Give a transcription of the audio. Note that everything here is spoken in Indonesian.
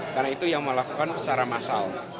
karena itu yang melakukan secara massal